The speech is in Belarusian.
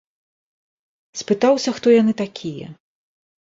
Спытаўся, хто яны такія.